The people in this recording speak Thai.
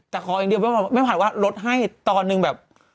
แต่ขออย่างเดียวไม่ผัดว่าลดให้ตอนหนึ่งแบบ